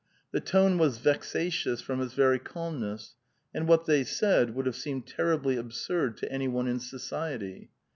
The tone was vexatious from its very calmness, and what they said would have seemed tcrribl} absurd to any one in society.